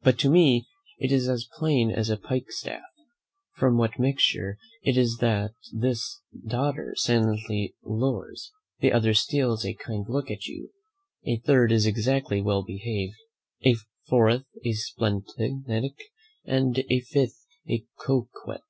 But to me it is as plain as a pikestaff, from what mixture it is that this daughter silently lours, the other steals a kind look at you, a third is exactly well behaved, a fourth a splenetic, and a fifth a coquette.